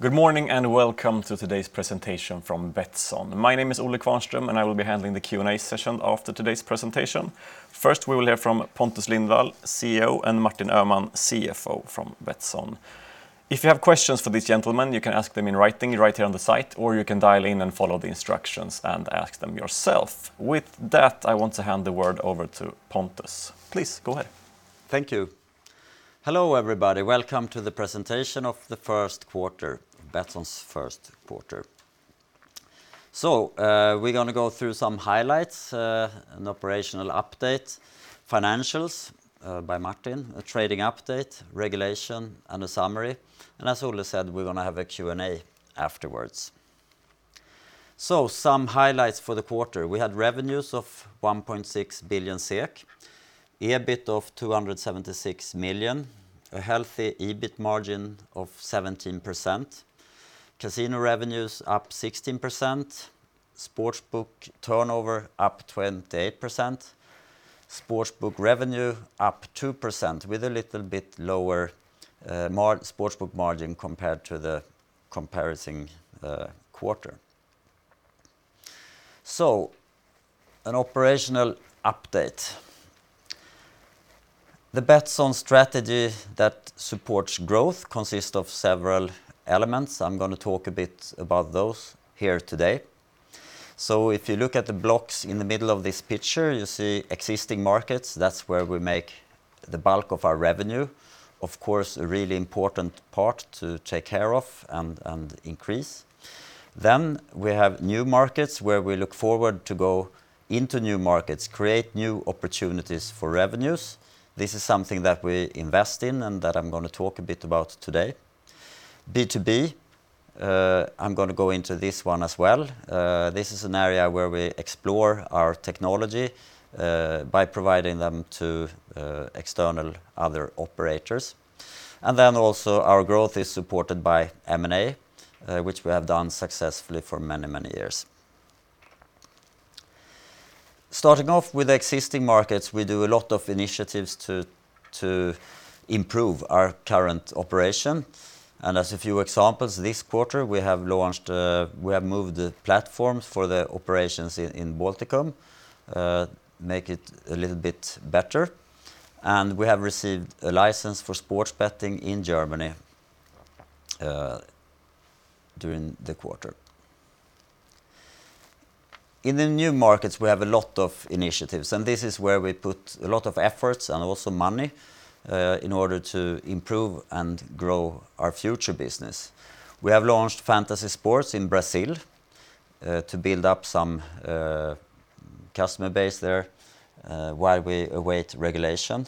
Good morning, welcome to today's presentation from Betsson. My name is Olle Qvarnström, and I will be handling the Q&A session after today's presentation. First, we will hear from Pontus Lindwall, CEO, and Martin Öhman, CFO from Betsson. If you have questions for these gentlemen, you can ask them in writing right here on the site, or you can dial in and follow the instructions and ask them yourself. With that, I want to hand the word over to Pontus. Please, go ahead. Thank you. Hello, everybody. Welcome to the presentation of Betsson's first quarter. We're going to go through some highlights, an operational update, financials by Martin, a trading update, regulation, and a summary. As Olle said, we're going to have a Q&A afterwards. Some highlights for the quarter. We had revenues of 1.6 billion SEK, EBIT of 276 million, a healthy EBIT margin of 17%, casino revenues up 16%, sportsbook turnover up 28%, sportsbook revenue up 2% with a little bit lower sportsbook margin compared to the comparison quarter. An operational update. The Betsson strategy that supports growth consists of several elements. I'm going to talk a bit about those here today. If you look at the blocks in the middle of this picture, you see existing markets. That's where we make the bulk of our revenue. Of course, a really important part to take care of and increase. We have new markets where we look forward to go into new markets, create new opportunities for revenues. This is something that we invest in and that I'm going to talk a bit about today. B2B, I'm going to go into this one as well. This is an area where we explore our technology by providing them to external other operators. Also our growth is supported by M&A, which we have done successfully for many years. Starting off with existing markets, we do a lot of initiatives to improve our current operation. As a few examples, this quarter, we have moved the platforms for the operations in Baltikum, make it a little bit better. We have received a license for sports betting in Germany during the quarter. In the new markets, we have a lot of initiatives, and this is where we put a lot of efforts and also money, in order to improve and grow our future business. We have launched fantasy sports in Brazil to build up some customer base there while we await regulation.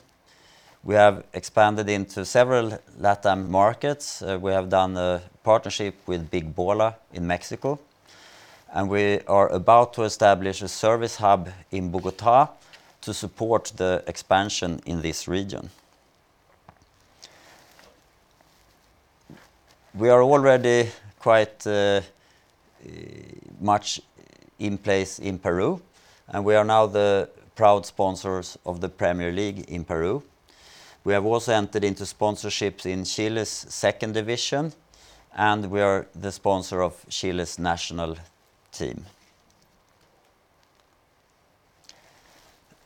We have expanded into several LATAM markets. We have done a partnership with Big Bola in Mexico, and we are about to establish a service hub in Bogotá to support the expansion in this region. We are already quite much in place in Peru, and we are now the proud sponsors of Liga 1 Betsson. We have also entered into sponsorships in Chile's second division, and we are the sponsor of Chile's national team.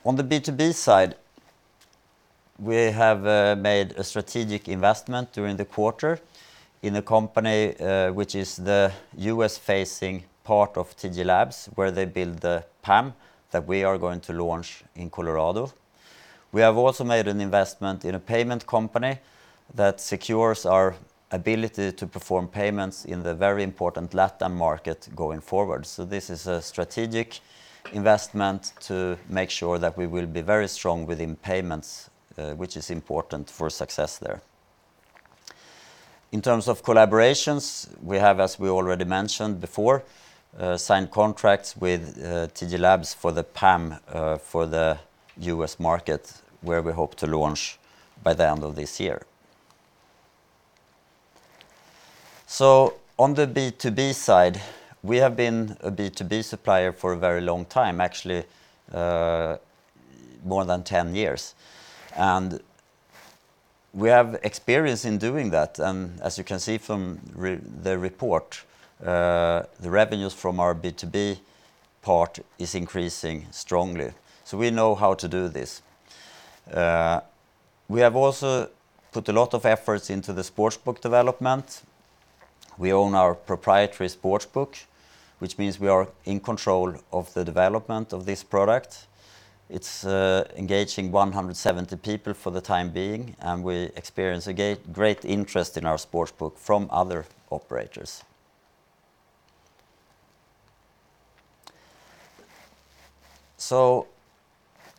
On the B2B side, we have made a strategic investment during the quarter in a company which is the U.S.-facing part of TG Lab, where they build the PAM that we are going to launch in Colorado. We have also made an investment in a payment company that secures our ability to perform payments in the very important LATAM market going forward. This is a strategic investment to make sure that we will be very strong within payments, which is important for success there. In terms of collaborations, we have, as we already mentioned before, signed contracts with TG Lab for the PAM for the U.S. market, where we hope to launch by the end of this year. On the B2B side, we have been a B2B supplier for a very long time, actually more than 10 years. We have experience in doing that, and as you can see from the report, the revenues from our B2B part is increasing strongly. We know how to do this. We have also put a lot of efforts into the sportsbook development. We own our proprietary sportsbook, which means we are in control of the development of this product. It's engaging 170 people for the time being, and we experience a great interest in our sportsbook from other operators.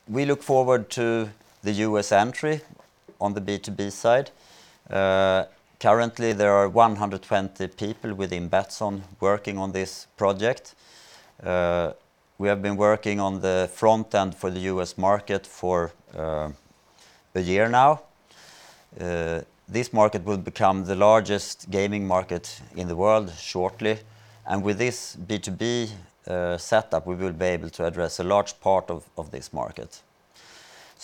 We look forward to the U.S. entry on the B2B side. Currently, there are 120 people within Betsson working on this project. We have been working on the front end for the U.S. market for a year now. This market will become the largest gaming market in the world shortly. With this B2B setup, we will be able to address a large part of this market.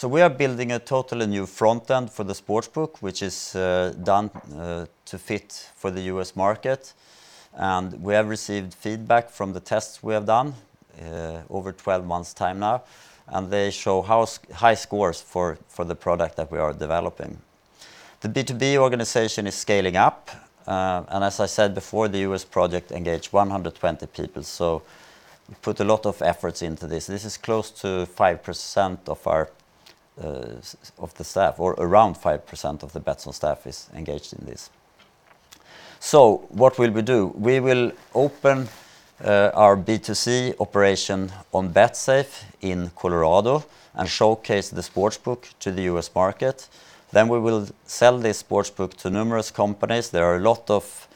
We are building a totally new front end for the sportsbook, which is done to fit for the U.S. market. We have received feedback from the tests we have done over 12 months' time now, and they show high scores for the product that we are developing. The B2B organization is scaling up, and as I said before, the U.S. project engaged 120 people, so we put a lot of efforts into this. This is close to 5% of the staff, or around 5% of the Betsson staff is engaged in this. What will we do? We will open our B2C operation on Betsafe in Colorado and showcase the sportsbook to the U.S. market. We will sell this sportsbook to numerous companies. There are a lot of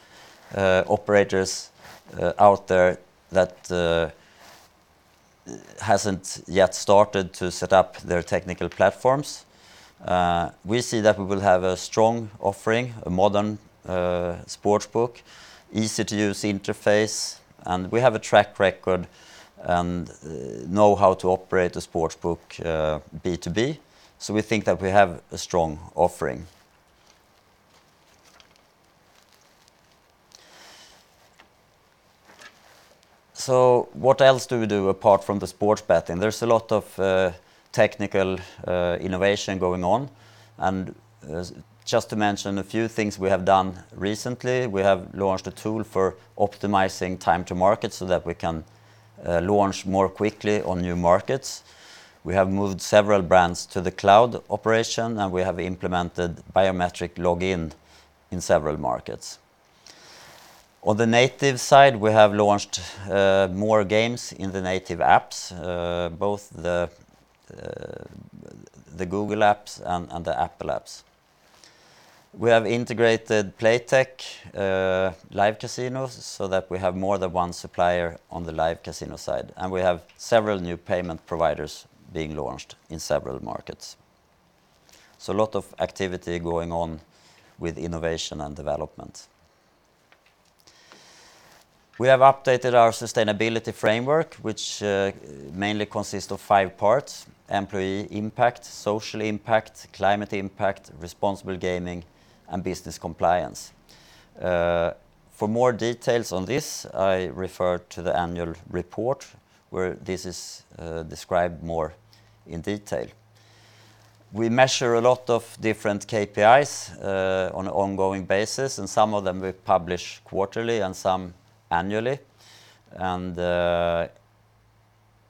operators out there that hasn't yet started to set up their technical platforms. We see that we will have a strong offering, a modern sportsbook, easy-to-use interface, and we have a track record and know how to operate a sportsbook B2B. We think that we have a strong offering. What else do we do apart from the sports betting? There's a lot of technical innovation going on, and just to mention a few things we have done recently, we have launched a tool for optimizing time to market so that we can launch more quickly on new markets. We have moved several brands to the cloud operation, and we have implemented biometric login in several markets. On the native side, we have launched more games in the native apps, both the Google apps and the Apple apps. We have integrated Playtech live casinos so that we have more than one supplier on the live casino side. We have several new payment providers being launched in several markets. A lot of activity going on with innovation and development. We have updated our sustainability framework, which mainly consists of five parts. Employee impact, social impact, climate impact, responsible gaming, and business compliance. For more details on this, I refer to the annual report, where this is described more in detail. We measure a lot of different KPIs on an ongoing basis. Some of them we publish quarterly and some annually.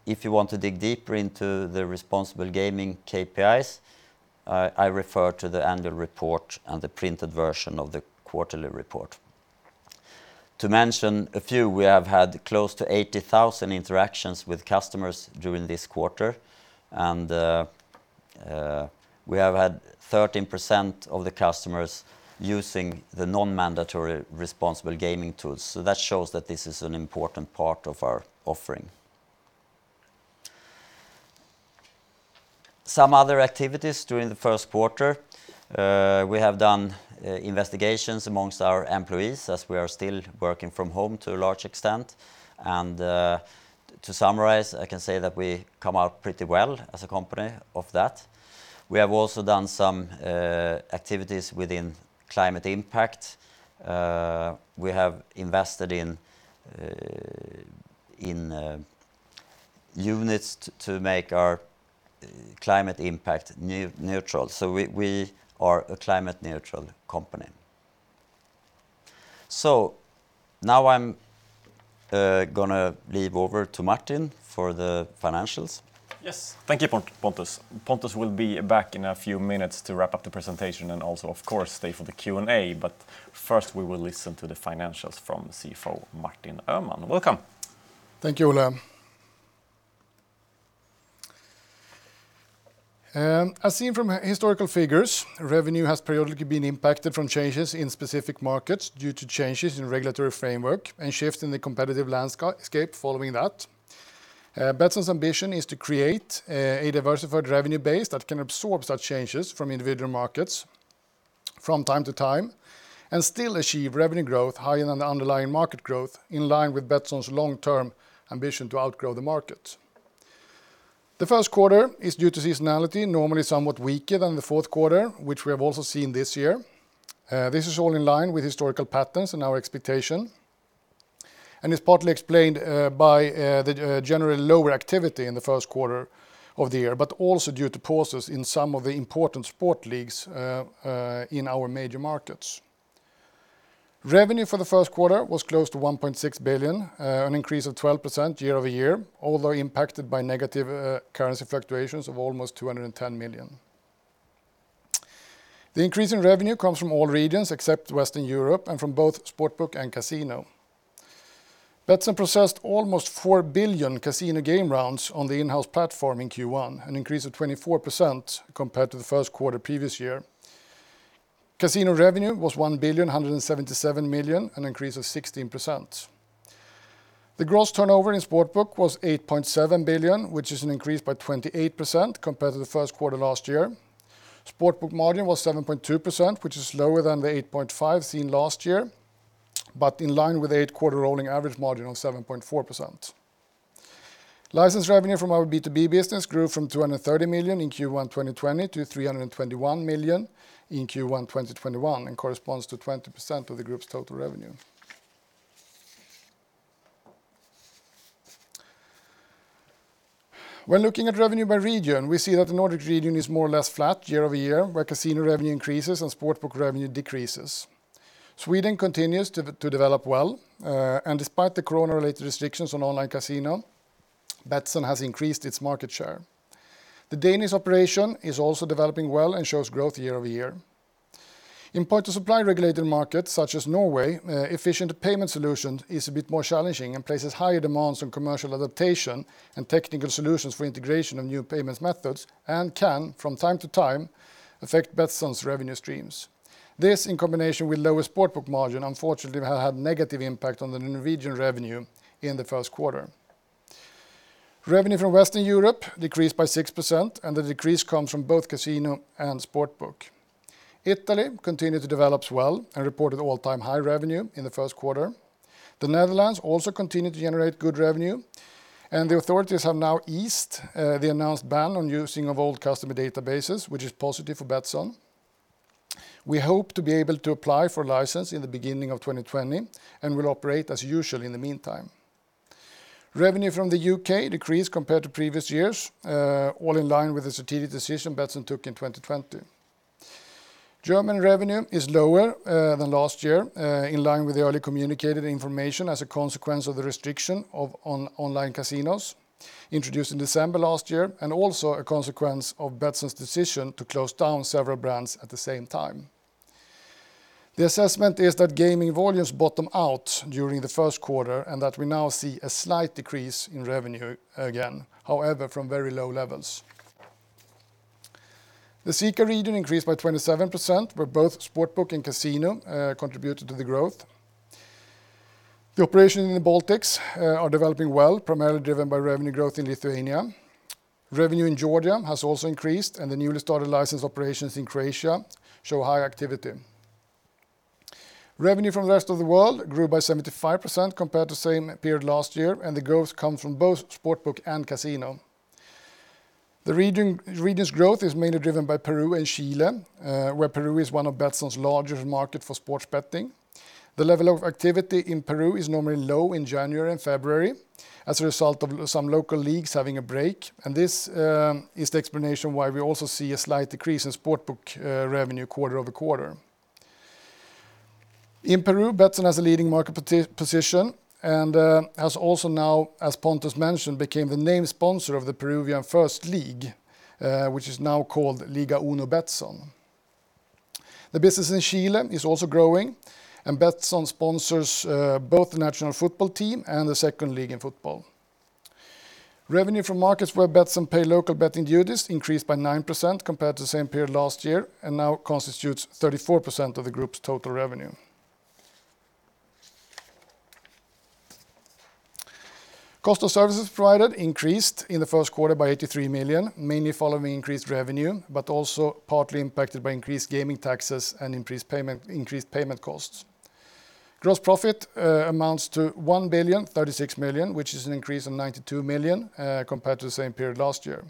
If you want to dig deeper into the responsible gaming KPIs, I refer to the annual report and the printed version of the quarterly report. To mention a few, we have had close to 80,000 interactions with customers during this quarter, and we have had 13% of the customers using the non-mandatory responsible gaming tools. That shows that this is an important part of our offering. Some other activities during the first quarter, we have done investigations amongst our employees as we are still working from home to a large extent. To summarize, I can say that we come out pretty well as a company of that. We have also done some activities within climate impact. We have invested in units to make our climate impact neutral. We are a climate neutral company. Now I'm going to leave over to Martin for the financials. Yes. Thank you, Pontus. Pontus will be back in a few minutes to wrap up the presentation and also, of course, stay for the Q&A. First, we will listen to the financials from CFO Martin Öhman. Welcome. Thank you, Olle. As seen from historical figures, revenue has periodically been impacted from changes in specific markets due to changes in regulatory framework and shifts in the competitive landscape following that. Betsson's ambition is to create a diversified revenue base that can absorb such changes from individual markets from time to time and still achieve revenue growth higher than the underlying market growth in line with Betsson's long-term ambition to outgrow the market. The first quarter is, due to seasonality, normally somewhat weaker than the fourth quarter, which we have also seen this year. This is all in line with historical patterns and our expectation, and it's partly explained by the general lower activity in the first quarter of the year, but also due to pauses in some of the important sport leagues in our major markets. Revenue for the first quarter was close to 1.6 billion, an increase of 12% year-over-year, although impacted by negative currency fluctuations of almost 210 million. The increase in revenue comes from all regions except Western Europe and from both sportsbook and casino. Betsson processed almost 4 billion casino game rounds on the in-house platform in Q1, an increase of 24% compared to the first quarter previous year. Casino revenue was 1,177 million, an increase of 16%. The gross turnover in sportsbook was 8.7 billion, which is an increase by 28% compared to the first quarter last year. Sportsbook margin was 7.2%, which is lower than the 8.5% seen last year. In line with eight-quarter rolling average margin of 7.4%. License revenue from our B2B business grew from 230 million in Q1 2020 to 321 million in Q1 2021, corresponds to 20% of the group's total revenue. When looking at revenue by region, we see that the Nordic region is more or less flat year-over-year, where casino revenue increases and sportsbook revenue decreases. Sweden continues to develop well, despite the corona-related restrictions on online casino, Betsson has increased its market share. The Danish operation is also developing well and shows growth year-over-year. In point-of-supply regulated markets such as Norway, efficient payment solution is a bit more challenging and places higher demands on commercial adaptation and technical solutions for integration of new payment methods, can, from time to time, affect Betsson's revenue streams. This, in combination with lower sportsbook margin, unfortunately, had a negative impact on the Norwegian revenue in the first quarter. Revenue from Western Europe decreased by 6%. The decrease comes from both casino and sportsbook. Italy continued to develop well and reported all-time high revenue in the first quarter. The Netherlands also continued to generate good revenue, and the authorities have now eased the announced ban on using of old customer databases, which is positive for Betsson. We hope to be able to apply for a license in the beginning of 2020, and will operate as usual in the meantime. Revenue from the U.K. decreased compared to previous years, all in line with the strategic decision Betsson took in 2020. German revenue is lower than last year, in line with the early communicated information as a consequence of the restriction of online casinos introduced in December last year, and also a consequence of Betsson's decision to close down several brands at the same time. The assessment is that gaming volumes bottomed out during the first quarter, and that we now see a slight decrease in revenue again, however, from very low levels. The CEECA region increased by 27%, where both sportsbook and casino contributed to the growth. The operation in the Baltics are developing well, primarily driven by revenue growth in Lithuania. Revenue in Georgia has also increased, and the newly started licensed operations in Croatia show high activity. Revenue from the Rest of World grew by 75% compared to the same period last year, and the growth comes from both sportsbook and casino. The region's growth is mainly driven by Peru and Chile, where Peru is one of Betsson's largest market for sports betting. The level of activity in Peru is normally low in January and February as a result of some local leagues having a break. This is the explanation why we also see a slight decrease in sportsbook revenue quarter-over-quarter. In Peru, Betsson has a leading market position and has also now, as Pontus mentioned, became the name sponsor of the Peruvian first league, which is now called Liga 1 Betsson. The business in Chile is also growing. Betsson sponsors both the national football team and the second league in football. Revenue from markets where Betsson pay local betting duties increased by 9% compared to the same period last year, and now constitutes 34% of the group's total revenue. Cost of services provided increased in the first quarter by 83 million, mainly following increased revenue, but also partly impacted by increased gaming taxes and increased payment costs. Gross profit amounts to 1 billion 36 million, which is an increase of 92 million compared to the same period last year.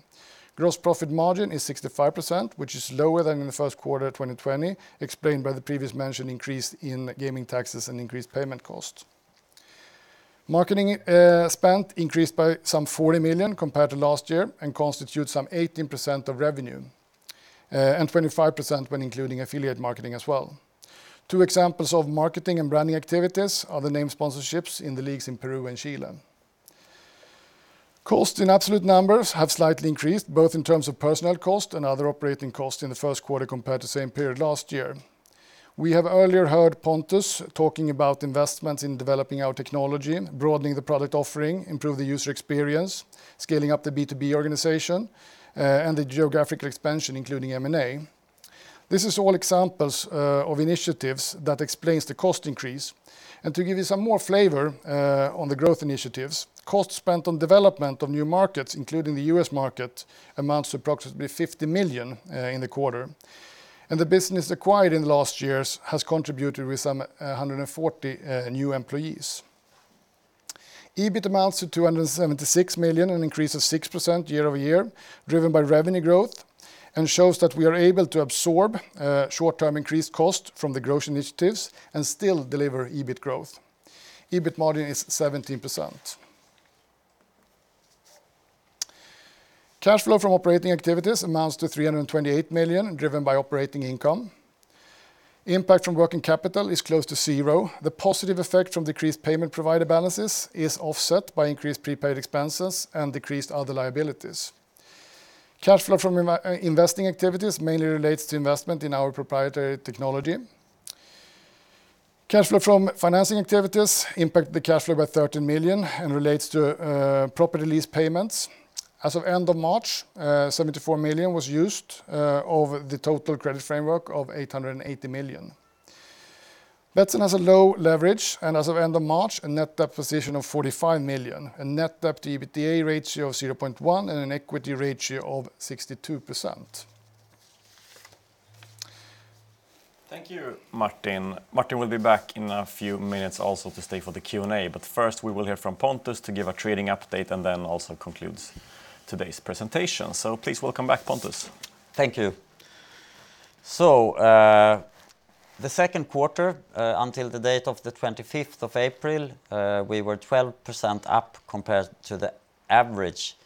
Gross profit margin is 65%, which is lower than in the first quarter of 2020, explained by the previous mentioned increase in gaming taxes and increased payment costs. Marketing spent increased by some 40 million compared to last year and constitutes some 18% of revenue, and 25% when including affiliate marketing as well. Two examples of marketing and branding activities are the name sponsorships in the leagues in Peru and Chile. Costs in absolute numbers have slightly increased, both in terms of personnel cost and other operating costs in the first quarter compared to same period last year. We have earlier heard Pontus talking about investments in developing our technology, broadening the product offering, improve the user experience, scaling up the B2B organization, and the geographic expansion, including M&A. This is all examples of initiatives that explains the cost increase. To give you some more flavor on the growth initiatives, costs spent on development of new markets, including the U.S. market, amounts to approximately 50 million in the quarter. The business acquired in the last years has contributed with some 140 new employees. EBIT amounts to 276 million, an increase of 6% year-over-year, driven by revenue growth, and shows that we are able to absorb short-term increased costs from the growth initiatives and still deliver EBIT growth. EBIT margin is 17%. Cash flow from operating activities amounts to 328 million, driven by operating income. Impact from working capital is close to zero. The positive effect from decreased payment provider balances is offset by increased prepaid expenses and decreased other liabilities. Cash flow from investing activities mainly relates to investment in our proprietary technology. Cash flow from financing activities impact the cash flow by 13 million and relates to property lease payments. As of end of March, 74 million was used of the total credit framework of 880 million. Betsson has a low leverage, and as of end of March, a net debt position of 45 million, a net debt to EBITDA ratio of 0.1, and an equity ratio of 62%. Thank you, Martin. Martin will be back in a few minutes also to stay for the Q&A, but first we will hear from Pontus to give a trading update, and then also conclude today's presentation. Please welcome back, Pontus. Thank you. The second quarter, until the date of the 25th of April, we were 12% up compared to the average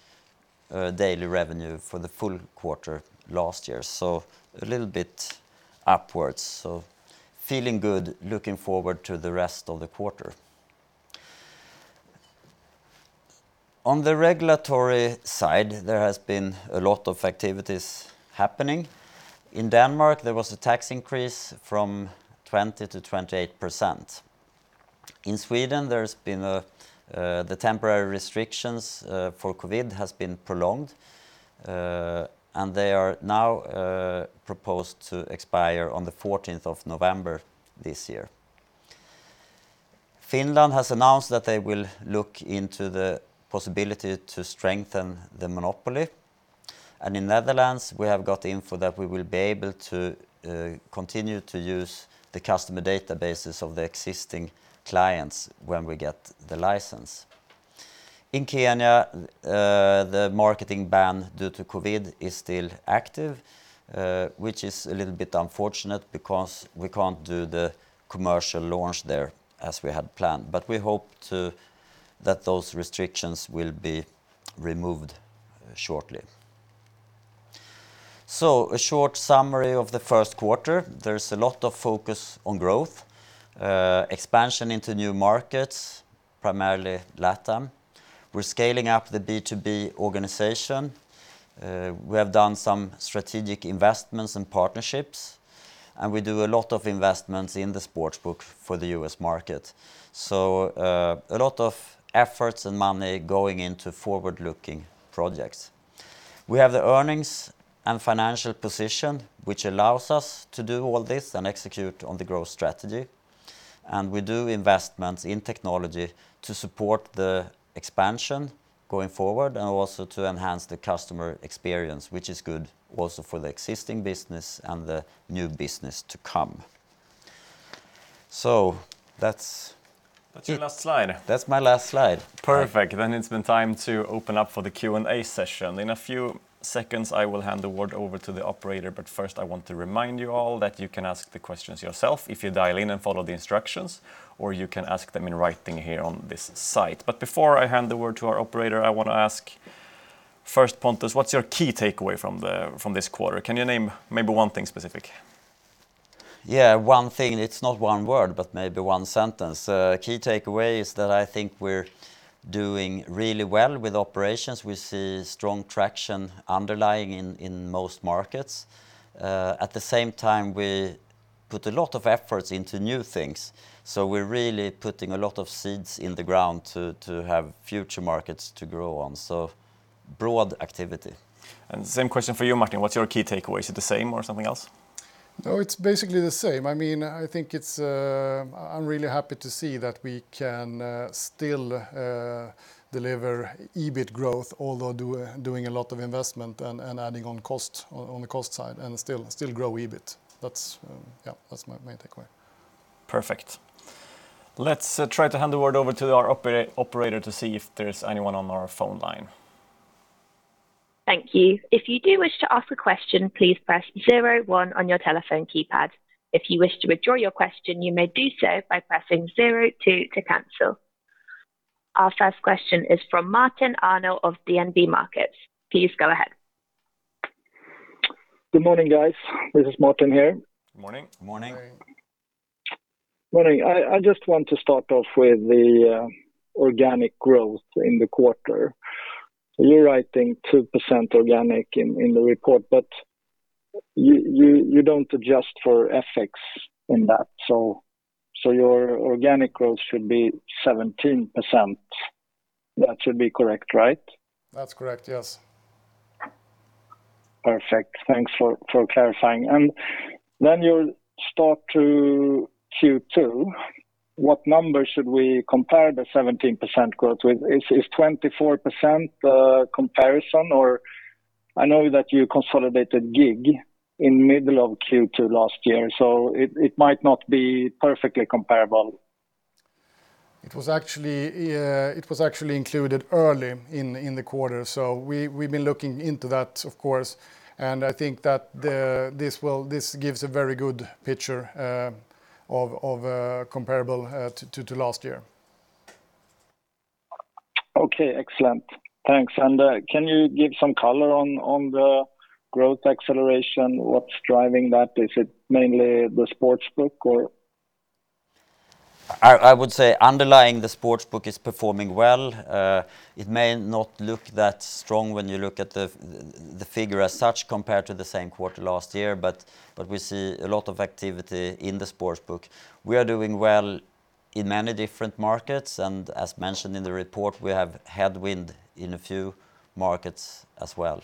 daily revenue for the full quarter last year. A little bit upwards. Feeling good, looking forward to the rest of the quarter. On the regulatory side, there has been a lot of activities happening. In Denmark, there was a tax increase from 20% to 28%. In Sweden, the temporary restrictions for COVID have been prolonged, and they are now proposed to expire on the 14th of November this year. Finland has announced that they will look into the possibility to strengthen the monopoly, and in Netherlands we have got info that we will be able to continue to use the customer databases of the existing clients when we get the license. In Kenya, the marketing ban due to COVID is still active, which is a little bit unfortunate because we can't do the commercial launch there as we had planned. We hope that those restrictions will be removed shortly. A short summary of the first quarter, there's a lot of focus on growth, expansion into new markets, primarily LATAM. We're scaling up the B2B organization. We have done some strategic investments and partnerships, and we do a lot of investments in the sportsbook for the U.S. market. A lot of efforts and money going into forward-looking projects. We have the earnings and financial position, which allows us to do all this and execute on the growth strategy. We do investments in technology to support the expansion going forward and also to enhance the customer experience, which is good also for the existing business and the new business to come. That's your last slide. That's my last slide. Perfect. It's time to open up for the Q&A session. In a few seconds, I will hand the word over to the operator, but first I want to remind you all that you can ask the questions yourself if you dial in and follow the instructions, or you can ask them in writing here on this site. Before I hand the word to our operator, I want to ask first, Pontus, what's your key takeaway from this quarter? Can you name maybe one thing specific? Yeah, one thing. It's not one word, but maybe one sentence. Key takeaway is that I think we're doing really well with operations. We see strong traction underlying in most markets. At the same time, we put a lot of efforts into new things. We're really putting a lot of seeds in the ground to have future markets to grow on, so broad activity. Same question for you, Martin. What's your key takeaway? Is it the same or something else? No, it's basically the same. I'm really happy to see that we can still deliver EBIT growth, although doing a lot of investment and adding on the cost side and still grow EBIT. That's my main takeaway. Perfect. Let's try to hand the word over to our operator to see if there's anyone on our phone line. Thank you. If you do wish to ask a question, please press zero one on your telephone keypad. If you wish to withdraw your question, you may do so by pressing zero two to cancel. Our first question is from Martin Arnell of DNB Markets. Please go ahead. Good morning, guys. This is Martin here. Morning. Morning. Morning. Morning. I just want to start off with the organic growth in the quarter. You're writing 2% organic in the report, but you don't adjust for FX in that, so your organic growth should be 17%. That should be correct, right? That's correct, yes. Perfect. Thanks for clarifying. Your start to Q2, what number should we compare the 17% growth with? Is 24% the comparison, or I know that you consolidated GiG in middle of Q2 last year, so it might not be perfectly comparable. It was actually included early in the quarter. We've been looking into that, of course. I think that this gives a very good picture comparable to last year. Okay. Excellent. Thanks. Can you give some color on the growth acceleration? What's driving that? Is it mainly the sportsbook or? I would say underlying the sportsbook is performing well. It may not look that strong when you look at the figure as such compared to the same quarter last year, but we see a lot of activity in the sportsbook. We are doing well in many different markets, and as mentioned in the report, we have headwind in a few markets as well.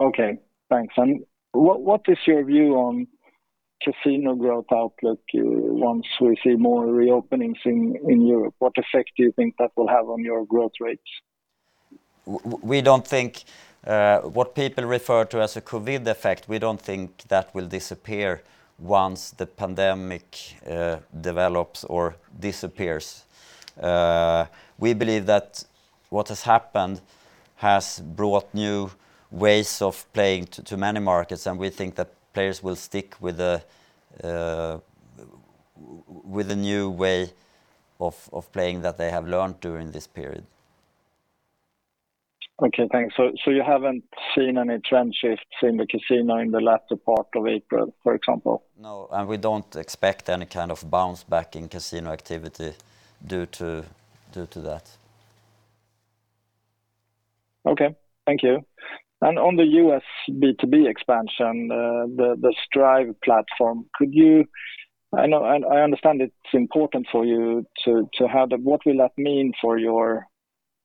Okay, thanks. What is your view on Casino growth outlook once we see more reopenings in Europe? What effect do you think that will have on your growth rates? What people refer to as a COVID effect, we don't think that will disappear once the pandemic develops or disappears. We believe that what has happened has brought new ways of playing to many markets, and we think that players will stick with the new way of playing that they have learned during this period. Okay, thanks. You haven't seen any trend shifts in the casino in the latter part of April, for example? No, we don't expect any kind of bounce back in casino activity due to that. Okay, thank you. On the U.S. B2B expansion, the Strive Platform, I understand it's important for you to have that. What will that mean for your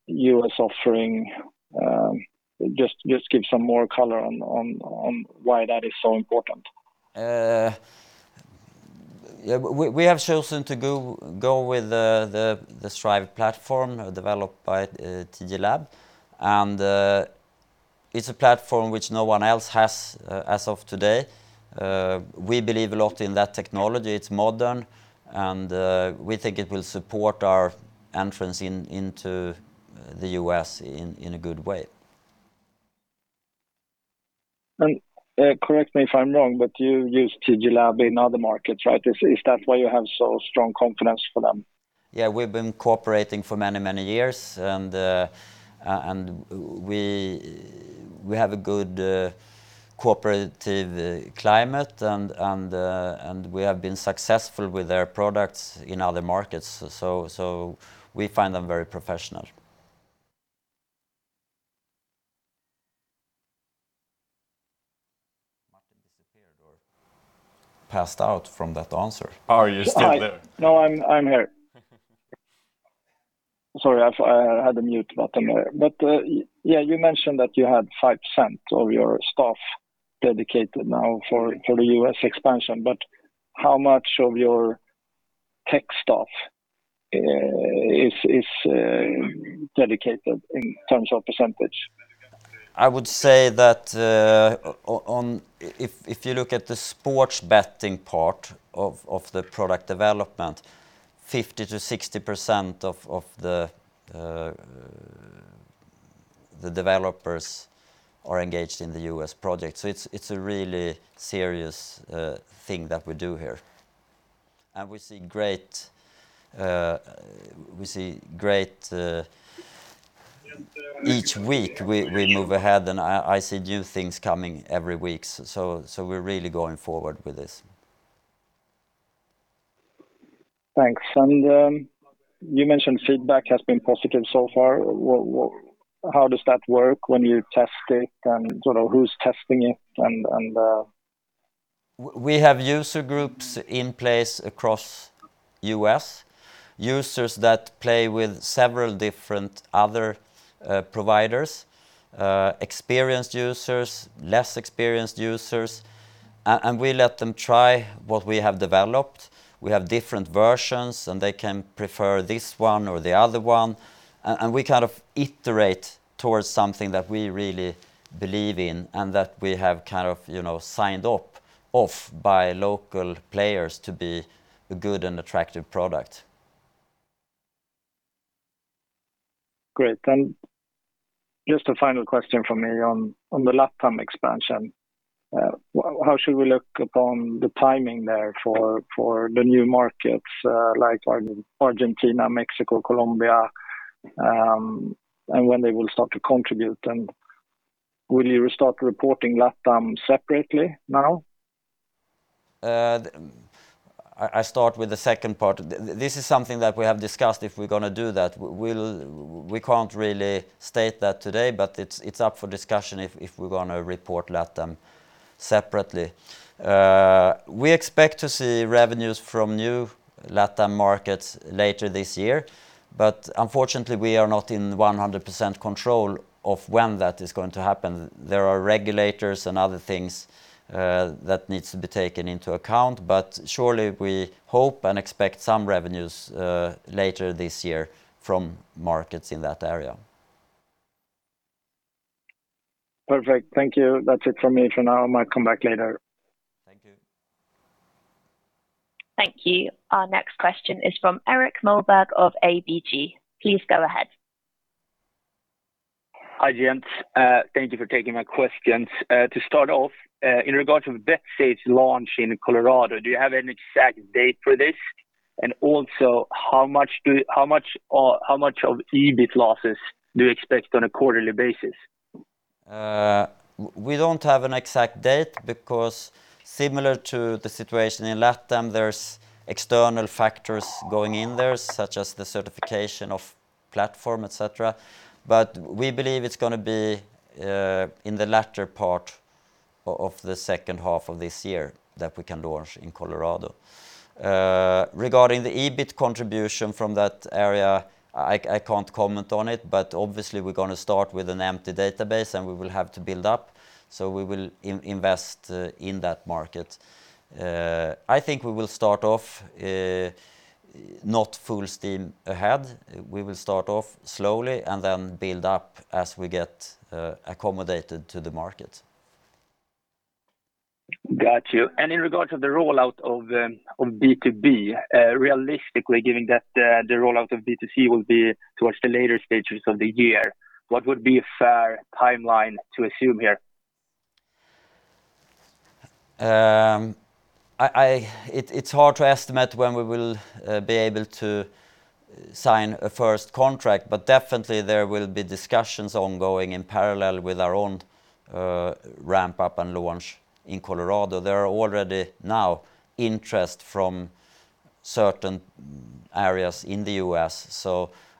U.S. offering? Just give some more color on why that is so important. We have chosen to go with the Strive Platform developed by TG Lab, and it's a platform which no one else has as of today. We believe a lot in that technology. It's modern, and we think it will support our entrance into the U.S. in a good way. Correct me if I'm wrong, you use TG Lab in other markets, right? Is that why you have so strong confidence for them? Yeah. We've been cooperating for many years, and we have a good cooperative climate, and we have been successful with their products in other markets. We find them very professional. Martin disappeared or passed out from that answer. Are you still there? No, I'm here. Sorry, I had the mute button. You mentioned that you had 5% of your staff dedicated now for the U.S. expansion, but how much of your tech staff is dedicated in terms of percentage? I would say that if you look at the sports betting part of the product development, 50%-60% of the developers are engaged in the U.S. project. It's a really serious thing that we do here, and each week we move ahead, and I see new things coming every week. We're really going forward with this. Thanks. You mentioned feedback has been positive so far. How does that work when you test it, and who's testing it? We have user groups in place across U.S., users that play with several different other providers, experienced users, less experienced users. We let them try what we have developed. We have different versions. They can prefer this one or the other one. We kind of iterate towards something that we really believe in and that we have kind of signed off by local players to be a good and attractive product. Great. Just a final question from me on the LATAM expansion. How should we look upon the timing there for the new markets like Argentina, Mexico, Colombia, and when they will start to contribute? Will you start reporting LATAM separately now? I start with the second part. This is something that we have discussed if we're going to do that. We can't really state that today, but it's up for discussion if we're going to report LATAM separately. Unfortunately, we are not in 100% control of when that is going to happen. There are regulators and other things that needs to be taken into account, surely we hope and expect some revenues later this year from markets in that area. Perfect. Thank you. That's it for me for now. I might come back later. Thank you. Thank you. Our next question is from Erik Moberg of ABG. Please go ahead. Hi, gents. Thank you for taking my questions. To start off, in regards of Betsafe launch in Colorado, do you have an exact date for this? Also, how much of EBIT losses do you expect on a quarterly basis? We don't have an exact date because similar to the situation in LATAM, there's external factors going in there, such as the certification of platform, et cetera. We believe it's going to be in the latter part of the second half of this year that we can launch in Colorado. Regarding the EBIT contribution from that area, I can't comment on it, but obviously we're going to start with an empty database, and we will have to build up. We will invest in that market. I think we will start off not full steam ahead. We will start off slowly and then build up as we get accommodated to the market. Got you. In regards to the rollout of B2B, realistically, given that the rollout of B2C will be towards the later stages of the year, what would be a fair timeline to assume here? It's hard to estimate when we will be able to sign a first contract. Definitely there will be discussions ongoing in parallel with our own ramp-up and launch in Colorado. There are already now interest from certain areas in the U.S.,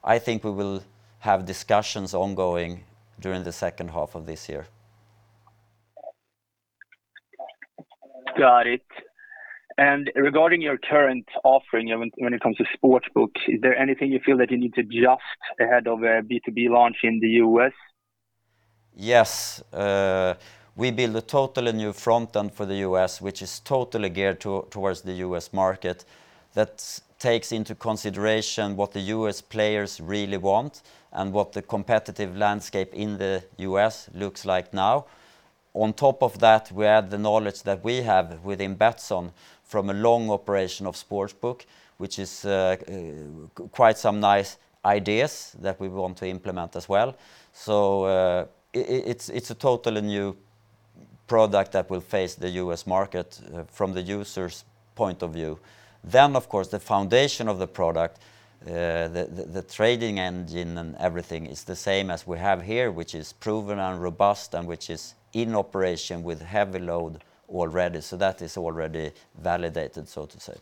I think we will have discussions ongoing during the second half of this year. Got it. Regarding your current offering when it comes to sportsbooks, is there anything you feel that you need to adjust ahead of a B2B launch in the U.S.? Yes. We build a totally new front end for the U.S., which is totally geared towards the U.S. market that takes into consideration what the U.S. players really want and what the competitive landscape in the U.S. looks like now. On top of that, we add the knowledge that we have within Betsson from a long operation of sportsbook, which is quite some nice ideas that we want to implement as well. It's a totally new product that will face the U.S. market from the user's point of view. Of course, the foundation of the product, the trading engine and everything is the same as we have here, which is proven and robust and which is in operation with heavy load already. That is already validated, so to say.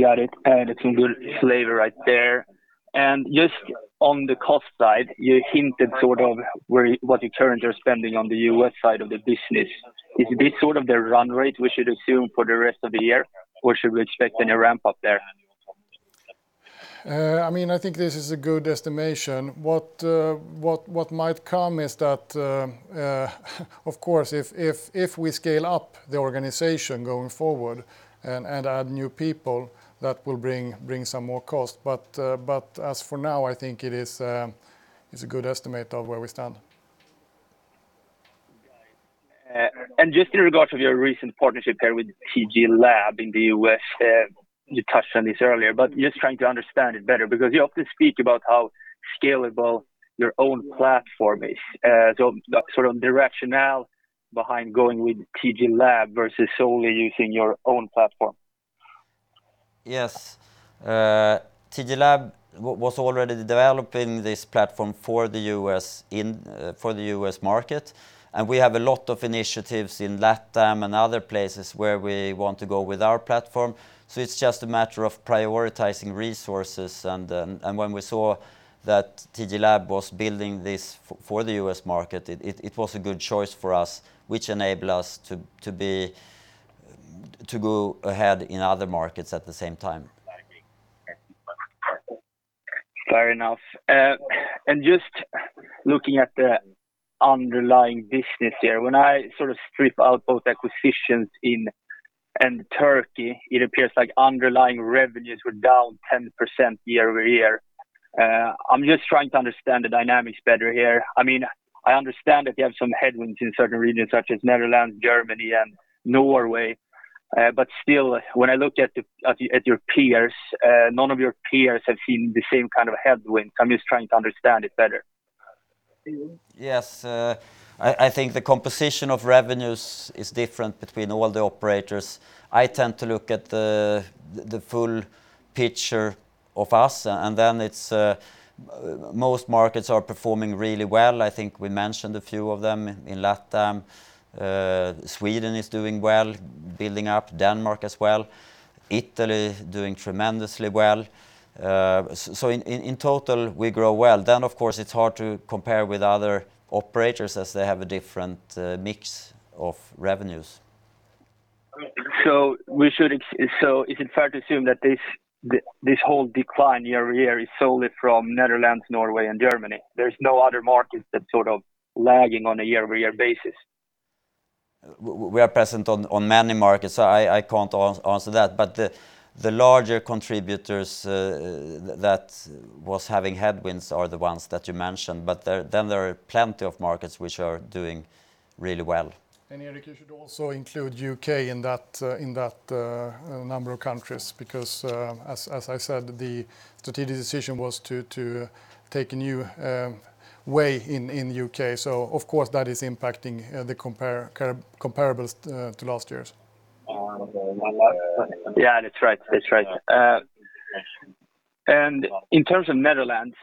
Got it. It's a good flavor right there. Just on the cost side, you hinted sort of what your current spending on the U.S. side of the business. Is this sort of the run rate we should assume for the rest of the year, or should we expect any ramp-up there? I think this is a good estimation. What might come is that, of course, if we scale up the organization going forward and add new people, that will bring some more cost. As for now, I think it's a good estimate of where we stand. Just in regards of your recent partnership here with TG Lab in the U.S., you touched on this earlier, but just trying to understand it better because you often speak about how scalable your own platform is. Sort of the rationale behind going with TG Lab versus solely using your own platform? Yes. TG Lab was already developing this platform for the U.S. market, and we have a lot of initiatives in LATAM and other places where we want to go with our platform. It's just a matter of prioritizing resources, and when we saw that TG Lab was building this for the U.S. market, it was a good choice for us, which enable us to go ahead in other markets at the same time. Fair enough. Just looking at the underlying business here, when I sort of strip out both acquisitions and Turkey, it appears like underlying revenues were down 10% year-over-year. I'm just trying to understand the dynamics better here. I understand that you have some headwinds in certain regions such as Netherlands, Germany, and Norway. Still, when I look at your peers, none of your peers have seen the same kind of headwinds. I'm just trying to understand it better. Yes. I think the composition of revenues is different between all the operators. I tend to look at the full picture of us, it's most markets are performing really well. I think we mentioned a few of them in LATAM. Sweden is doing well, building up Denmark as well. Italy doing tremendously well. In total, we grow well. Of course it's hard to compare with other operators as they have a different mix of revenues. Is it fair to assume that this whole decline year-over-year is solely from Netherlands, Norway and Germany? There's no other markets that sort of lagging on a year-over-year basis? We are present on many markets, so I can't answer that. The larger contributors that was having headwinds are the ones that you mentioned, but then there are plenty of markets which are doing really well. Erik, you should also include U.K. in that number of countries because, as I said, the strategic decision was to take a new way in U.K. Of course that is impacting the comparables to last year's. Yeah, that's right. In terms of Netherlands,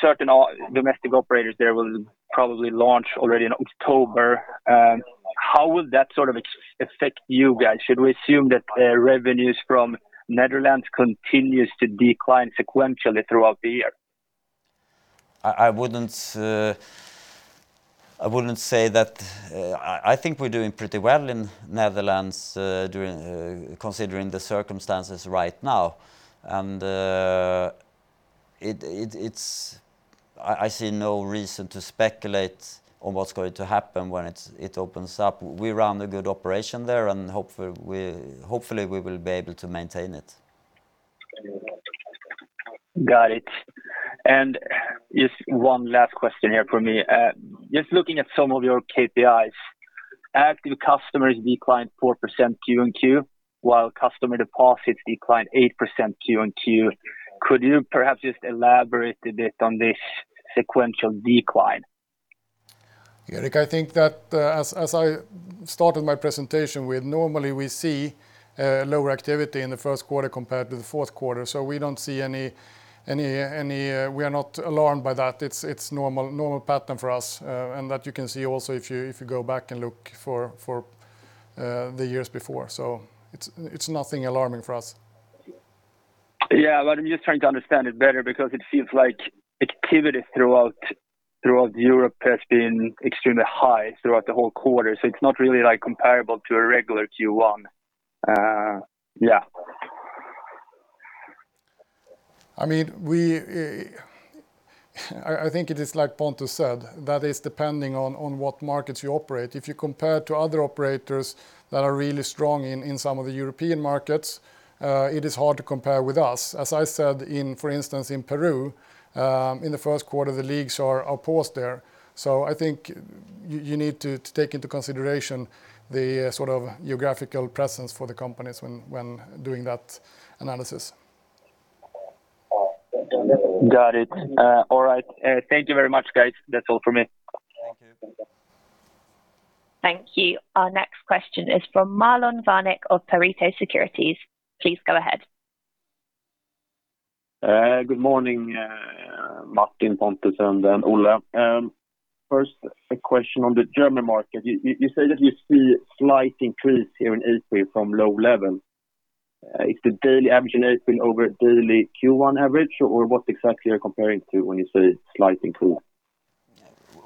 certain domestic operators there will probably launch already in October. How will that sort of affect you guys? Should we assume that revenues from Netherlands continues to decline sequentially throughout the year? I wouldn't say that. I think we're doing pretty well in Netherlands considering the circumstances right now. I see no reason to speculate on what's going to happen when it opens up. We run a good operation there and hopefully we will be able to maintain it. Got it. Just one last question here from me. Just looking at some of your KPIs, active customers declined 4% Q on Q, while customer deposits declined 8% Q on Q. Could you perhaps just elaborate a bit on this sequential decline? Erik, I think that, as I started my presentation with, normally we see lower activity in the first quarter compared to the fourth quarter, so we are not alarmed by that. It's normal pattern for us, and that you can see also if you go back and look for the years before. It's nothing alarming for us. Yeah, I'm just trying to understand it better because it seems like activity throughout Europe has been extremely high throughout the whole quarter, so it's not really comparable to a regular Q1. Yeah. I think it is like Pontus said, that is depending on what markets you operate. If you compare to other operators that are really strong in some of the European markets, it is hard to compare with us. As I said, for instance, in Peru, in the first quarter, the leagues are paused there. I think you need to take into consideration the sort of geographical presence for the companies when doing that analysis. Got it. All right. Thank you very much, guys. That's all from me. Thank you. Thank you. Our next question is from Marlon Värnik of Pareto Securities. Please go ahead. Good morning, Martin, Pontus, and then Olle. First question on the German market. You say that you see slight increase here in April from low level. Is the daily average in April over daily Q1 average, or what exactly are you comparing to when you say slight improve?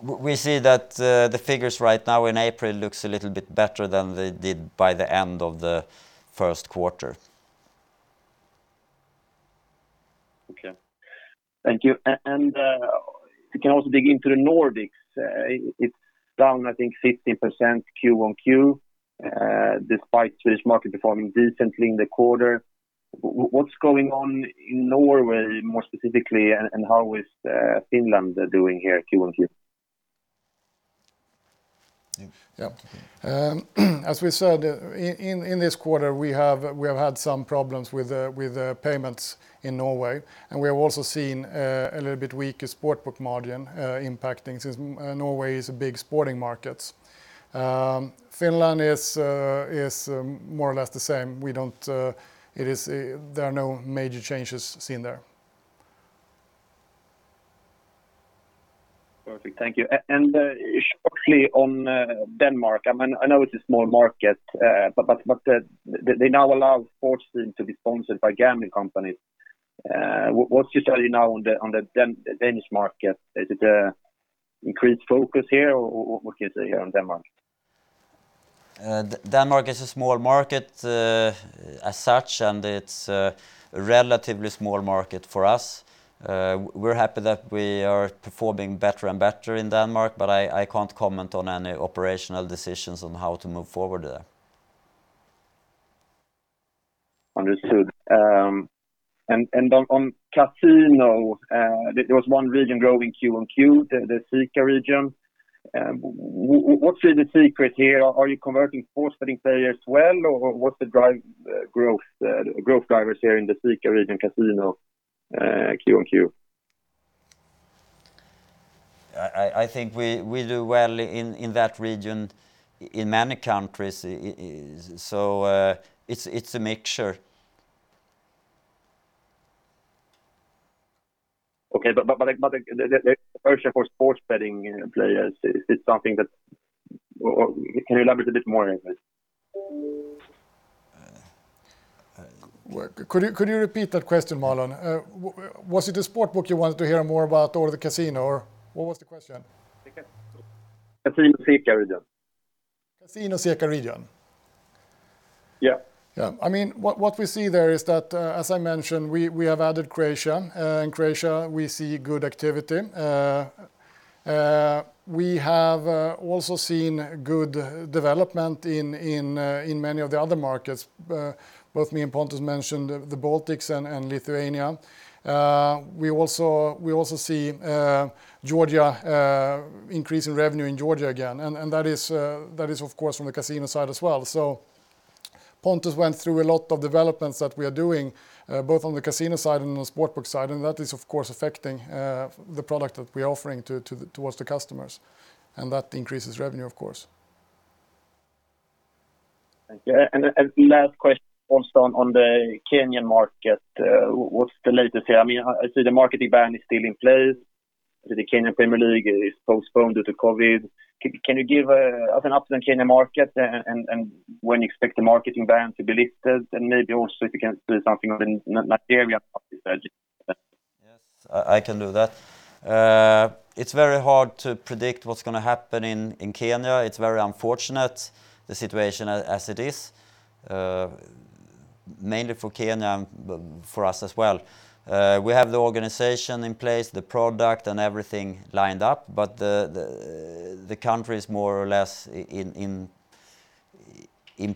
We see that the figures right now in April look a little bit better than they did by the end of the first quarter. Okay. Thank you. Can I also dig into the Nordics? It's down, I think, 15% Q on Q, despite this market performing decently in the quarter. What's going on in Norway, more specifically, and how is Finland doing here Q on Q? Yeah. As we said, in this quarter, we have had some problems with payments in Norway, and we have also seen a little bit weaker sportsbook margin impacting since Norway is a big sporting market. Finland is more or less the same. There are no major changes seen there. Perfect. Thank you. Shortly on Denmark, I know it's a small market, but they now allow sports teams to be sponsored by gambling companies. What's your study now on the Danish market? Is it increased focus here, or what can you say here on Denmark? Denmark is a small market as such, and it's a relatively small market for us. We're happy that we are performing better and better in Denmark, but I can't comment on any operational decisions on how to move forward there. Understood. On casino, there was one region growing Q on Q, the CEECA region. What's really the secret here? Are you converting sports betting players well, or what's the growth drivers here in the CEECA region casino Q on Q? I think we do well in that region in many countries, so it's a mixture. Okay, the push for sports betting players, can you elaborate a bit more on this? Could you repeat that question, Marlon? Was it the sportsbook you wanted to hear more about, or the casino, or what was the question? The casino. Casino CEECA region. Casino CEECA region. Yeah. Yeah. What we see there is that, as I mentioned, we have added Croatia. In Croatia, we see good activity. We have also seen good development in many of the other markets. Both me and Pontus mentioned the Baltics and Lithuania. We also see Georgia increasing revenue in Georgia again, and that is of course from the casino side as well. Pontus went through a lot of developments that we are doing, both on the casino side and on the sportsbook side, and that is, of course, affecting the product that we're offering towards the customers, and that increases revenue, of course. Thank you. Last question, also on the Kenyan market. What's the latest here? I see the marketing ban is still in place. The Kenyan Premier League is postponed due to COVID. Can you give us an update on Kenyan market and when you expect the marketing ban to be lifted, and maybe also if you can say something on the Nigerian market as well? I can do that. It's very hard to predict what's going to happen in Kenya. It's very unfortunate, the situation as it is, mainly for Kenya and for us as well. We have the organization in place, the product, and everything lined up, but the country is more or less in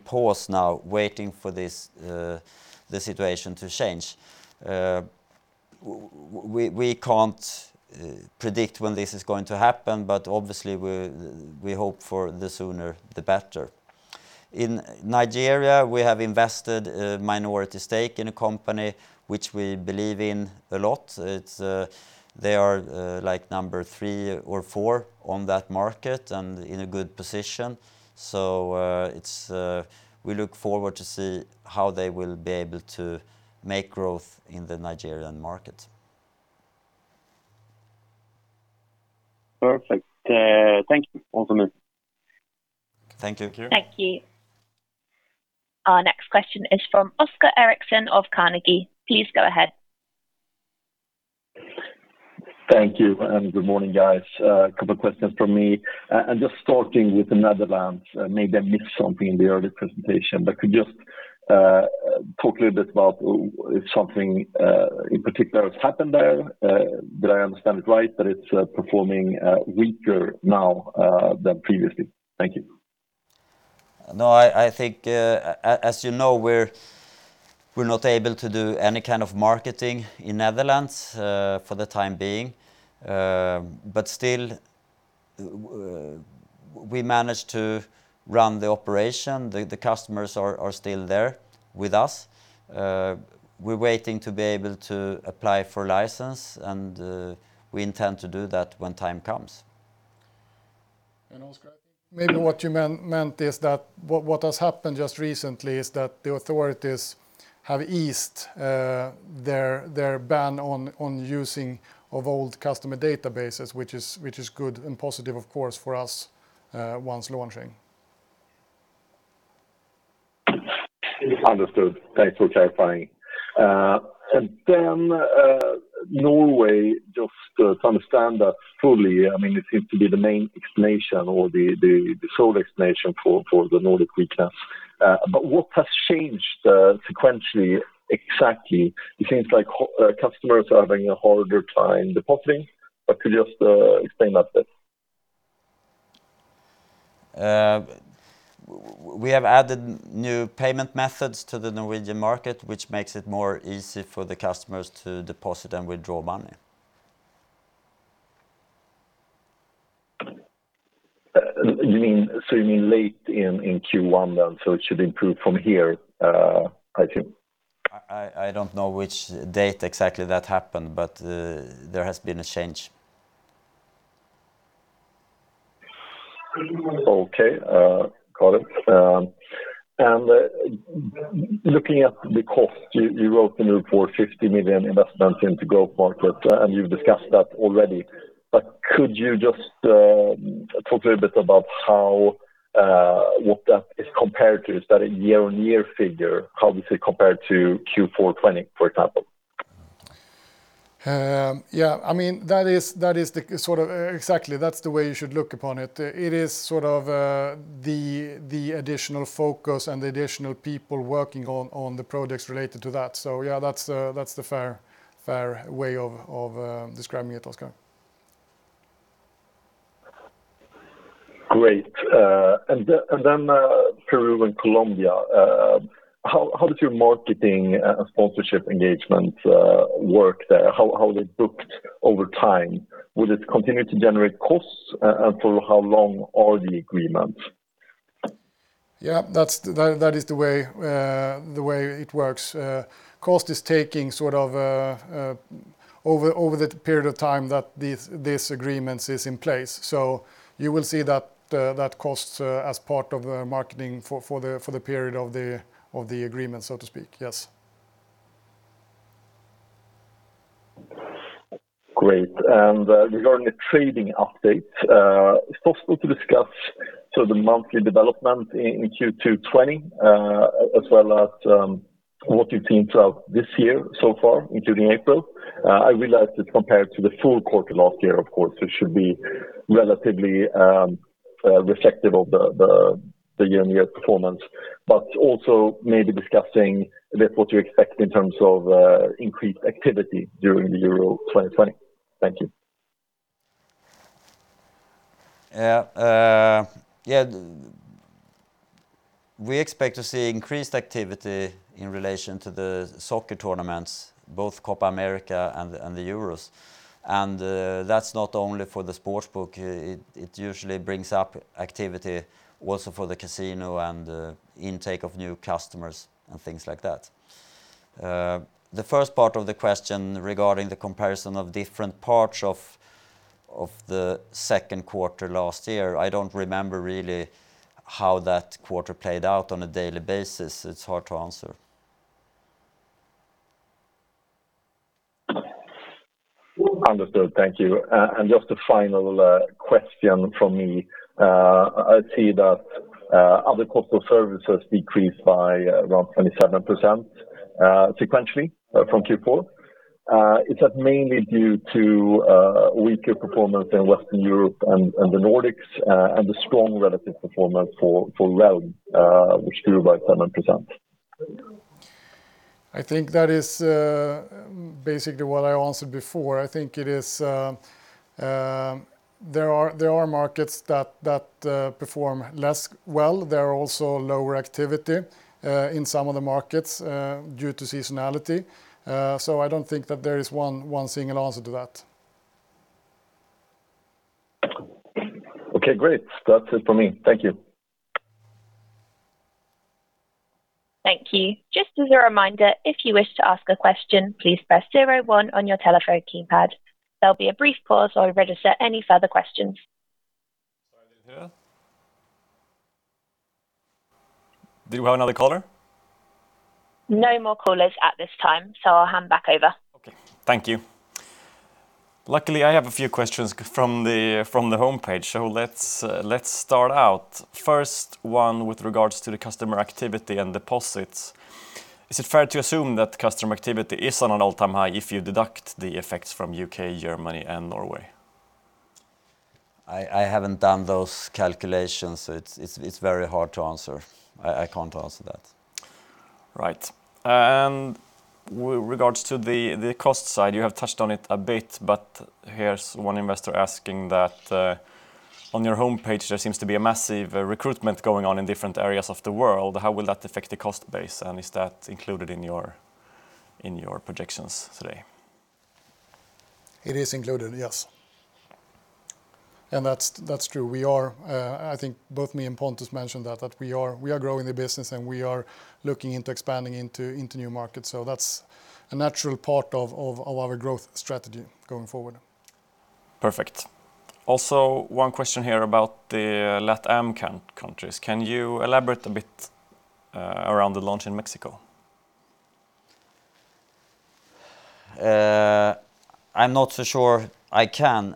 pause now, waiting for the situation to change. We can't predict when this is going to happen, but obviously we hope for the sooner, the better. In Nigeria, we have invested a minority stake in a company which we believe in a lot. They are number three or four on that market and in a good position. We look forward to see how they will be able to make growth in the Nigerian market. Perfect. Thank you, Pontus. Thank you. Thank you. Our next question is from Oscar Erixon of Carnegie. Please go ahead. Thank you, good morning, guys. A couple questions from me. Just starting with the Netherlands, maybe I missed something in the early presentation, could you just talk a little bit about if something in particular has happened there? Did I understand it right that it's performing weaker now than previously? Thank you. I think, as you know, we're not able to do any kind of marketing in Netherlands for the time being. Still we manage to run the operation. The customers are still there with us. We're waiting to be able to apply for license, and we intend to do that when time comes. Oscar, maybe what you meant is that what has happened just recently is that the authorities have eased their ban on using of old customer databases, which is good and positive, of course, for us once launching. Understood. Thanks for clarifying. Norway, just to understand that fully, it seems to be the main explanation or the sole explanation for the Nordic weakness. What has changed sequentially, exactly? It seems like customers are having a harder time depositing. Could you just explain that a bit? We have added new payment methods to the Norwegian market, which makes it more easy for the customers to deposit and withdraw money. You mean late in Q1 then, so it should improve from here, I think. I don't know which date exactly that happened, but there has been a change. Okay. Got it. Looking at the cost, you wrote in the report 50 million investment into growth market, you've discussed that already. Could you just talk a little bit about what that is compared to? Is that a year-on-year figure? How does it compare to Q4 2020, for example? Exactly. That's the way you should look upon it. It is sort of the additional focus and the additional people working on the products related to that. Yeah, that's the fair way of describing it, Oscar. Great. Peru and Colombia. How does your marketing sponsorship engagement work there? How are they booked over time? Will it continue to generate costs? For how long are the agreements? Yeah, that is the way it works. Cost is taking sort of over the period of time that this agreement is in place. You will see that cost as part of the marketing for the period of the agreement, so to speak. Yes. Great. Regarding the trading update, is it possible to discuss so the monthly development in Q2 2020, as well as what you think of this year so far, including April? I realize it's compared to the full quarter last year, of course, it should be relatively reflective of the year-over-year performance. Also maybe discussing a bit what you expect in terms of increased activity during the UEFA Euro 2020. Thank you. Yeah. We expect to see increased activity in relation to the soccer tournaments, both Copa América and the Euros. That's not only for the sportsbook, it usually brings up activity also for the casino and intake of new customers and things like that. The first part of the question regarding the comparison of different parts of the second quarter last year, I don't remember really how that quarter played out on a daily basis. It's hard to answer. Understood. Thank you. Just a final question from me. I see Other cost of services decreased by around 27% sequentially from Q4. Is that mainly due to weaker performance in Western Europe and the Nordics, and a strong relative performance for Well, which grew by 7%? I think that is basically what I answered before. I think there are markets that perform less well. There are also lower activity in some of the markets due to seasonality. I don't think that there is one single answer to that. Okay, great. That's it from me. Thank you. Thank you. Just as a reminder, if you wish to ask a question, please press 01 on your telephone keypad. There'll be a brief pause while we register any further questions. Sorry, I didn't hear. Do you have another caller? No more callers at this time, so I'll hand back over. Okay. Thank you. Luckily, I have a few questions from the homepage. Let's start out. First one with regards to the customer activity and deposits. Is it fair to assume that customer activity is on an all-time high if you deduct the effects from U.K., Germany and Norway? I haven't done those calculations, so it's very hard to answer. I can't answer that. Right. With regards to the cost side, you have touched on it a bit, but here's one investor asking that on your homepage there seems to be a massive recruitment going on in different areas of the world. How will that affect the cost base? Is that included in your projections today? It is included, yes. That's true. I think both me and Pontus mentioned that we are growing the business, and we are looking into expanding into new markets. That's a natural part of our growth strategy going forward. Perfect. Also, one question here about the LATAM countries. Can you elaborate a bit around the launch in Mexico? I'm not so sure I can.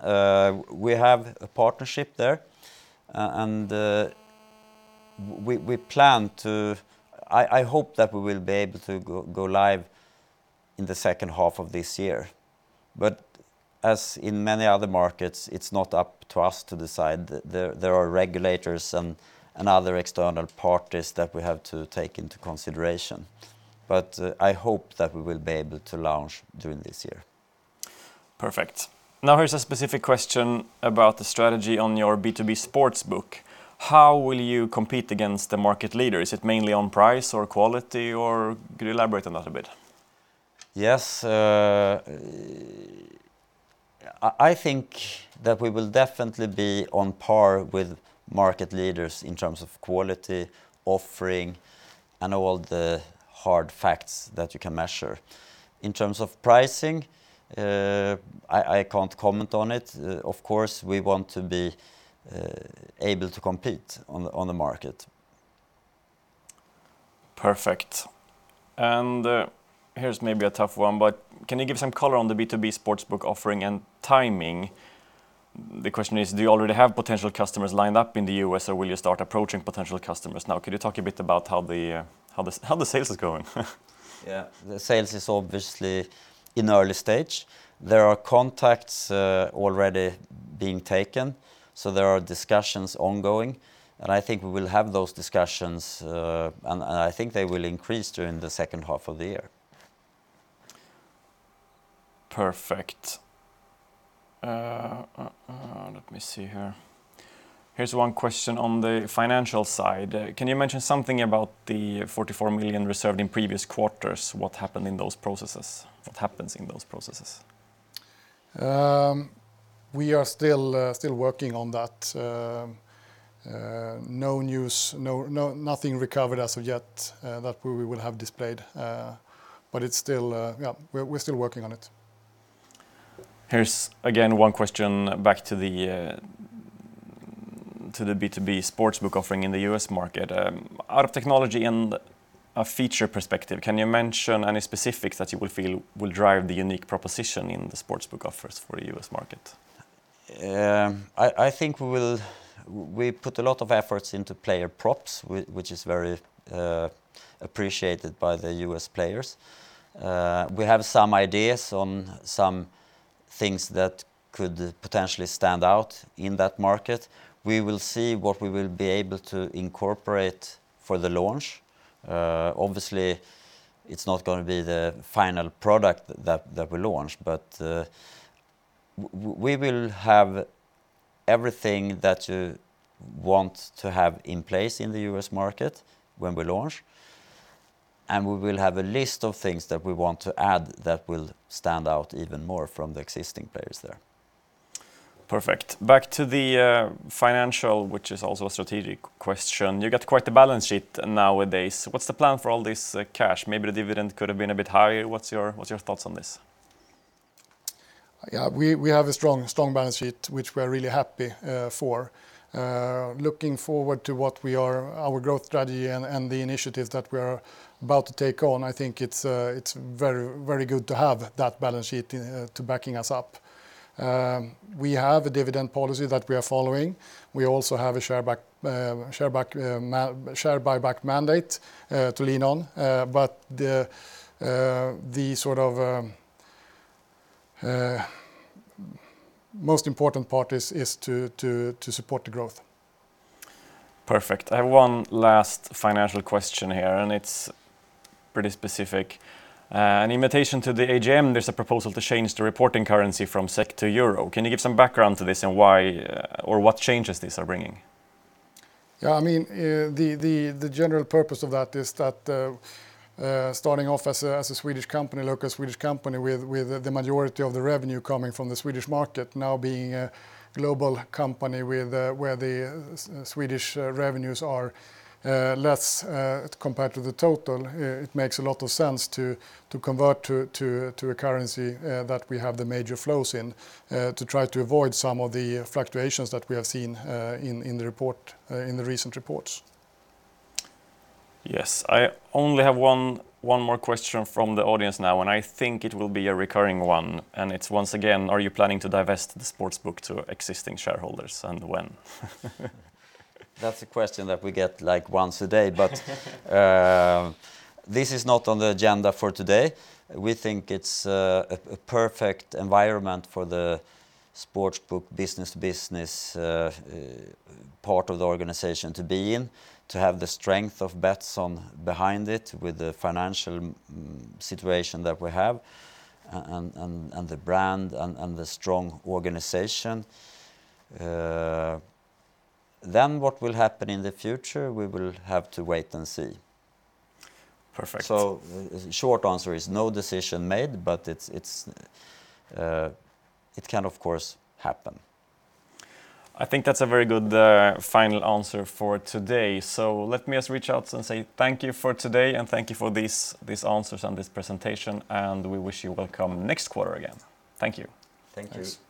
We have a partnership there, and I hope that we will be able to go live in the second half of this year. As in many other markets, it's not up to us to decide. There are regulators and other external parties that we have to take into consideration. I hope that we will be able to launch during this year. Perfect. Here's a specific question about the strategy on your B2B sportsbook. How will you compete against the market leader? Is it mainly on price or quality? Could you elaborate on that a bit? Yes. I think that we will definitely be on par with market leaders in terms of quality, offering, and all the hard facts that you can measure. In terms of pricing, I can't comment on it. Of course, we want to be able to compete on the market. Perfect. Here's maybe a tough one, but can you give some color on the B2B sportsbook offering and timing? The question is, do you already have potential customers lined up in the U.S., or will you start approaching potential customers now? Could you talk a bit about how the sales is going? Yeah. The sales is obviously in early stage. There are contacts already being taken. There are discussions ongoing. I think we will have those discussions. I think they will increase during the second half of the year. Perfect. Let me see here. Here's one question on the financial side. Can you mention something about the 44 million reserved in previous quarters? What happened in those processes? What happens in those processes? We are still working on that. Nothing recovered as of yet that we will have displayed. We're still working on it. Here's, again, one question back to the B2B sportsbook offering in the U.S. market. Out of technology and a feature perspective, can you mention any specifics that you would feel will drive the unique proposition in the sportsbook offers for the U.S. market? I think we put a lot of efforts into player props, which is very appreciated by the U.S. players. We have some ideas on some things that could potentially stand out in that market. We will see what we will be able to incorporate for the launch. Obviously, it's not going to be the final product that we launch. We will have everything that you want to have in place in the U.S. market when we launch, and we will have a list of things that we want to add that will stand out even more from the existing players there. Perfect. Back to the financial, which is also a strategic question. You got quite the balance sheet nowadays. What's the plan for all this cash? Maybe the dividend could have been a bit higher. What's your thoughts on this? We have a strong balance sheet, which we are really happy for. Looking forward to our growth strategy and the initiatives that we are about to take on, I think it's very good to have that balance sheet backing us up. We have a dividend policy that we are following. We also have a share buyback mandate to lean on. The most important part is to support the growth. Perfect. I have one last financial question here, and it's pretty specific. An invitation to the AGM, there's a proposal to change the reporting currency from SEK to EUR. Can you give some background to this and why or what changes these are bringing? The general purpose of that is that starting off as a Swedish company, local Swedish company with the majority of the revenue coming from the Swedish market now being a global company where the Swedish revenues are less compared to the total, it makes a lot of sense to convert to a currency that we have the major flows in to try to avoid some of the fluctuations that we have seen in the recent reports. Yes. I only have one more question from the audience now, and I think it will be a recurring one, and it's once again, are you planning to divest the sportsbook to existing shareholders and when? That's a question that we get once a day. This is not on the agenda for today. We think it's a perfect environment for the sportsbook business part of the organization to be in, to have the strength of Betsson behind it with the financial situation that we have and the brand and the strong organization. What will happen in the future, we will have to wait and see. Perfect. The short answer is no decision made, but it can of course happen. I think that's a very good final answer for today. Let me just reach out and say thank you for today and thank you for these answers and this presentation, and we wish you welcome next quarter again. Thank you. Thank you.